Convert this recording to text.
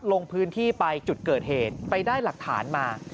ลงพื้นที่ไปจุดเกิดเหตุไปได้หลักฐานมา